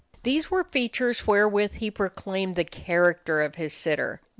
These were features wherewith he proclaimed the character of his sitter.